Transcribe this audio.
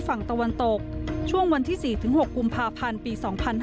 ฝั่งตะวันตกช่วงวันที่๔๖กุมภาพันธ์ปี๒๕๕๙